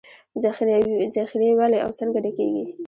ذخیرې ولې او څنګه ډکېږي